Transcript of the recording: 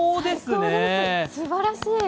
すばらしい。